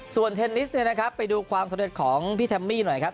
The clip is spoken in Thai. ส่วนเทนนิสเนี่ยนะครับไปดูความสำเร็จของพี่แทมมี่หน่อยครับ